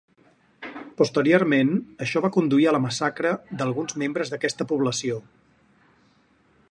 Posteriorment, això va conduir a la massacre d'alguns membres d'aquesta població.